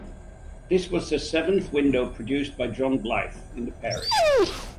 This was the seventh window produced by John Blyth in the parish.